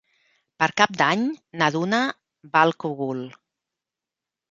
Per Cap d'Any na Duna va al Cogul.